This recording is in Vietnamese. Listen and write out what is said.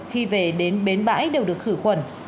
khi về đến bến bãi đều được khử khuẩn